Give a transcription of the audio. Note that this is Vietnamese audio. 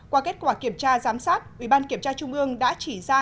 qua kết quả kiểm tra giám sát ủy ban kiểm tra trung ương đã chỉ ra